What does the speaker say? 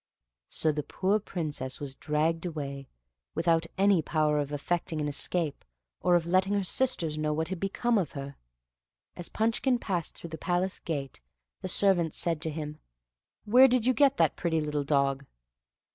So the poor Princess was dragged away, without any power of effecting an escape, or of letting her sisters know what had become of her. As Punchkin passed through the palace gate the servants said to him, "Where did yon get that pretty little dog?"